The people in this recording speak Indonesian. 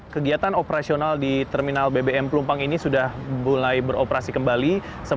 kegiatan operasional di terminal bbm pelumpang ini sudah mulai beroperasi kembali